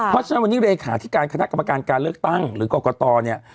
เพราะฉะนั้นวันนี้เลขาธิการคณะกรรมการการเลือกตั้งหรือกรกตเนี่ย